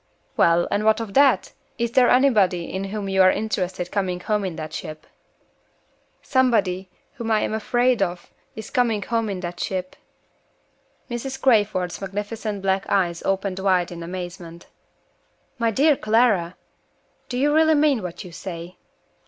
"Well, and what of that? Is there anybody in whom you are interested coming home in the ship?" "Somebody whom I am afraid of is coming home in the ship." Mrs. Crayford's magnificent black eyes opened wide in amazement. "My dear Clara! do you really mean what you say?"